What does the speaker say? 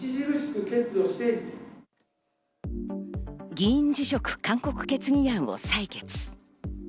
議員辞職勧告決議案を採決。